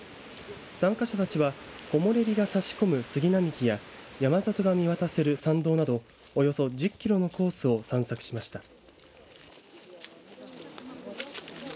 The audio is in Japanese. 参加者たちは木漏れ日が差し込む杉並木や山里が見渡せる山道などおよそ１０キロのコースを散策しました。